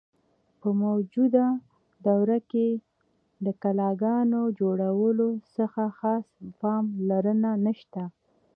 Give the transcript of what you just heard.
په موجوده دور کښې د قلاګانو جوړولو څۀ خاص پام لرنه نشته۔